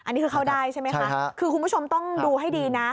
อันนี้คือเข้าได้ใช่ไหมคะคือคุณผู้ชมต้องดูให้ดีนะ